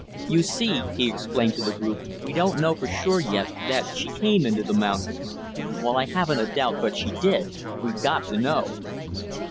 You see," he explained to the group, "we don't know for sure, yet, that she came into the mountains. While I haven't a doubt but she did, we've got to know."